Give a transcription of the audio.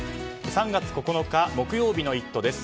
３月９日木曜日の「イット！」です。